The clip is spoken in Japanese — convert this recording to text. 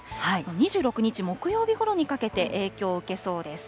２６日木曜日ごろにかけて影響を受けそうです。